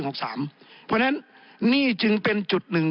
เพราะฉะนั้นนี่จึงเป็นจุดหนึ่ง